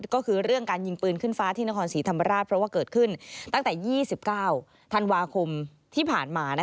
ก็คือเรื่องการยิงปืนขึ้นฟ้าที่นครศรีธรรมราชเพราะว่าเกิดขึ้นตั้งแต่๒๙ธันวาคมที่ผ่านมา